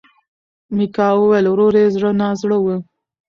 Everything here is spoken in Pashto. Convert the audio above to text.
میکا وویل ورور یې زړه نا زړه و.